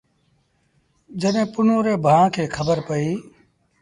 جڏهيݩ پنهون ري ڀآن کي پئيٚ۔